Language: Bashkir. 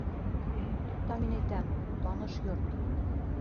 Туҡта, мин әйтәм, таныш йорт.